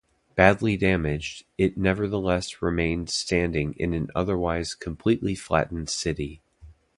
Badly damaged, it nevertheless remained standing in an otherwise completely flattened city.